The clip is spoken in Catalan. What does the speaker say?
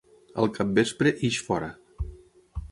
Al capvespre ix fora.